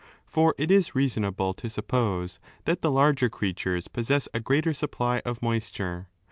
For it is reasonable to suppose that the larger creatures possess a greater supply of moisture.